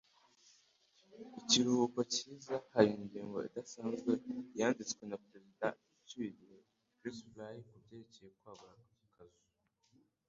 ikiruhuko cyiza hari ingingo idasanzwe yanditswe na perezida ucyuye igihe, Chris Fry kubyerekeye kwagura akazu.